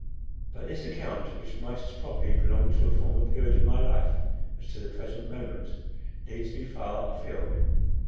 But this account, which might as properly belong to a former period of my life as to the present moment, leads me far afield.